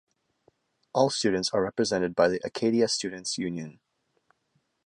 All students are represented by the Acadia Students' Union.